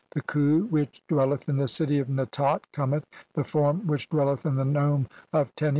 The Khu which (8) "dwelleth in the city of Netat cometh, the Form which "dwelleth in the nome of Teni.